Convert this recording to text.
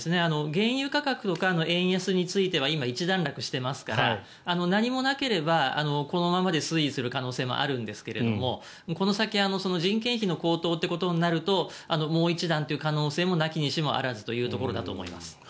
原油価格からの円安については今、一段落していますから何もなければこのままで推移する可能性もあるんですがこの先人件費の高騰ということになるともう一段という可能性も無きにしも非ずというところだと思います。